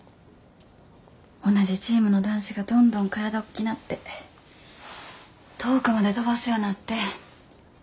同じチームの男子がどんどん体おっきなって遠くまで飛ばすようなって。